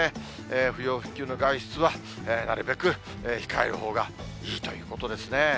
不要不急の外出は、なるべく控えるほうがいいということですね。